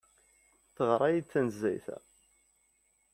Teɣra-iyi-d tanezzayt-a.